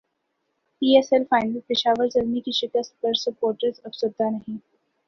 پی S L final Peshawar Zalmi کی شکست پر سپورٹرز افسردہ نہیں